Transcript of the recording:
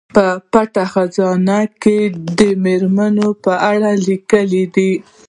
په پټه خزانه کې یې د دې میرمنې په اړه لیکلي دي.